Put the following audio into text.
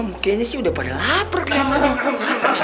kayaknya sih udah pada lapar kaya mana om